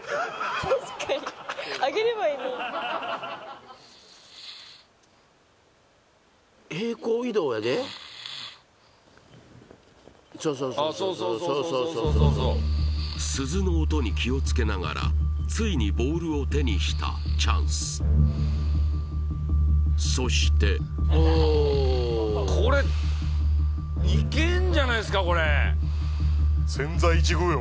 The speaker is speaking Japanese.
確かに上げればいいのに平行移動やでそうそうそうそうそうそうそうそうそうそう鈴の音に気をつけながらついにボールを手にしたチャンスそしてこれいけんじゃないっすかこれ千載一遇よ